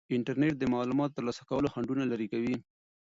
انټرنیټ د معلوماتو د ترلاسه کولو خنډونه لرې کوي.